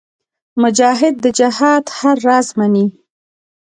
مجاهد د جهاد هر راز منې.